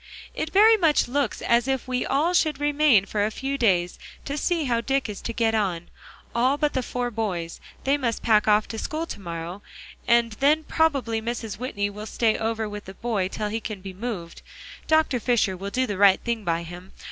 "It very much looks as if we all should remain for a few days, to see how Dick is to get on, all but the four boys; they must pack off to school to morrow, and then probably Mrs. Whitney will stay over with the boy till he can be moved. Dr. Fisher will do the right thing by him.